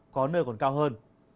có nơi còn cao hơn